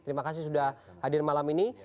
terima kasih sudah hadir malam ini